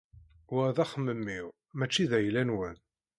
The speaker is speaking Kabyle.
Wa d axemmem-iw mačči d ayla-nwen.